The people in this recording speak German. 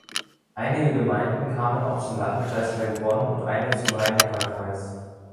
Einige Gemeinden kamen auch zum Landkreis Heilbronn und eine zum Rhein-Neckar-Kreis.